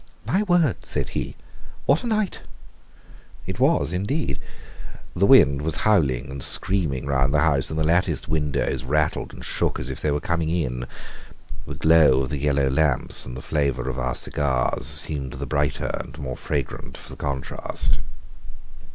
"My word!" said he, "what a night!" It was, indeed. The wind was howling and screaming round the house, and the latticed windows rattled and shook as if they were coming in. The glow of the yellow lamps and the flavour of our cigars seemed the brighter and more fragrant for the contrast.